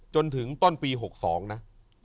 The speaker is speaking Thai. จนถึงต้นปี๖๒นะ